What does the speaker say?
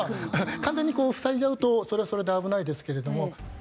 完全に塞いじゃうとそれはそれで危ないですけれども。